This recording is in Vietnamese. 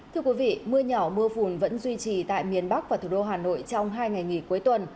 thưa quý vị mưa nhỏ mưa phùn vẫn duy trì tại miền bắc và thủ đô hà nội trong hai ngày nghỉ cuối tuần